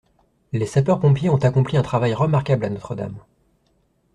Les sapeurs-pompiers ont accompli un travail remarquable à Notre-Dame.